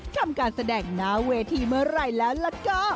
ทำการแสดงหน้าเวทีเมื่อไหร่แล้วล่ะก็